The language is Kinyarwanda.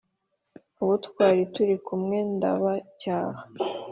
abo twari turi kumwe ndabacyaha